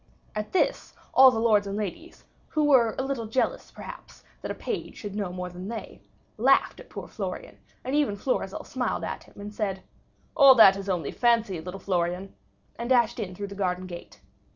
At this, all the lords and ladies, who were a little jealous, perhaps, that a page should know more than they, laughed at poor Florian, and even Florizel smiled at him and said, "All that is only fancy, little Florian," and dashed in through the garden gate.